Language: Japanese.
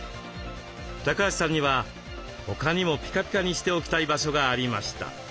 橋さんには他にもピカピカにしておきたい場所がありました。